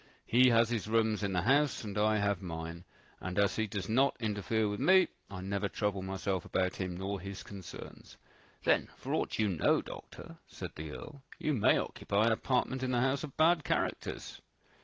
He has his rooms in the house, and I have mine; and as he does not interfere with me, I never trouble myself about him nor his concerns." "Then, for aught you know, doctor," said the Earl, "you may occupy an apartment in the house of bad characters?"